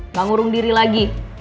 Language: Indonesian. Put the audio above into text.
nggak ngurung diri lagi